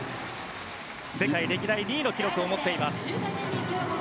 世界歴代２位の記録を持っています。